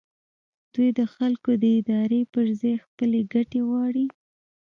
دوی د خلکو د ارادې پر ځای خپلې ګټې غواړي.